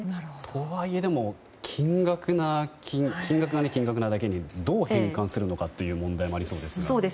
とはいえ金額が金額なだけにどう返還するのかという問題もありそうですが。